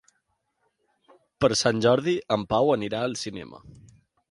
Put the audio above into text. Per Sant Jordi en Pau anirà al cinema.